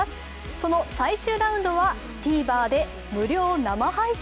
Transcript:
その最終ラウンドは、ＴＶｅｒで無料生配信。